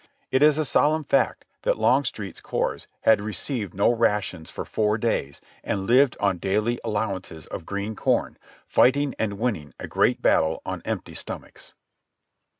Ir is a solemn fact that Longstreet's corps had received no rations for four days, and lived on daily allowances of green corn, fighting and winning a great battle on empty stomachs.